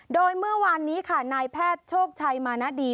โดยเมื่อวานนี้ค่ะนายแพทย์โชคชัยมาณดี